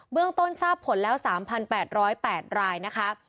เรื่องต้นทราบผลแล้ว๓๘๐๘รายนะคะ